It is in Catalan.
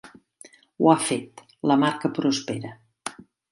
Ho ha fet: la marca prospera.